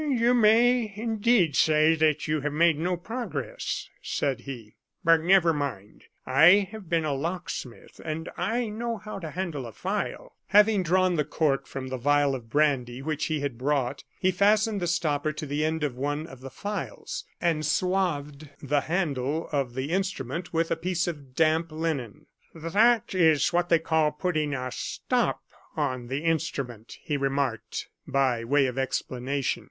"You may indeed say that you have made no progress," said he; "but, never mind, I have been a locksmith, and I know how to handle a file." Having drawn the cork from the vial of brandy which he had brought, he fastened the stopper to the end of one of the files, and swathed the handle of the instrument with a piece of damp linen. "That is what they call putting a stop on the instrument," he remarked, by way of explanation.